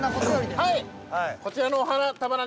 はい！